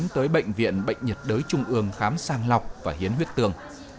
đến bệnh viện bệnh nhiệt đới trung ương khám sang lọc và hiến huyết tương